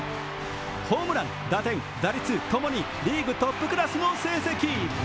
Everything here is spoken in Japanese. ホームラン、打点、打率ともにリーグトップクラスの成績。